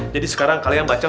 jadi sekarang kalian baca